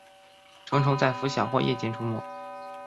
成虫在拂晓或夜间出没。